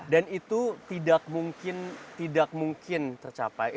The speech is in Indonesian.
dan itu tidak mungkin tidak mungkin tercapai